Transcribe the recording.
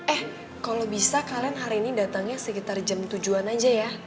eh kalau bisa kalian hari ini datangnya sekitar jam tujuh an aja ya